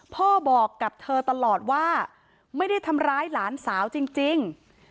พ่อบอกกับเธอตลอดว่าไม่ได้ทำร้ายหลานสาวจริง